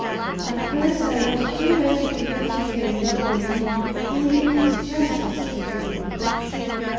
At first I was too ready to vindicate him, thinking it justice to do it.